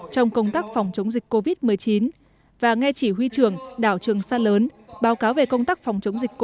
trong công tác phòng chống dịch covid một mươi chín và nghe chỉ huy trường đảo trường sa lớn